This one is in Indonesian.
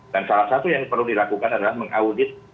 dan salah satu yang perlu dilakukan adalah mengaudit